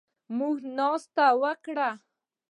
موږ ناسته وکړه